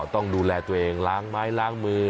ต้องดูแลตัวเองล้างไม้ล้างมือ